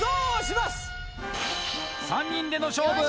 ３人での勝負